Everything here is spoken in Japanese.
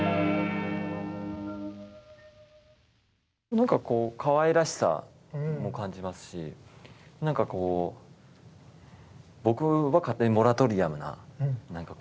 何かこうかわいらしさも感じますし何かこう僕は勝手にモラトリアムな印象を感じましたけどね。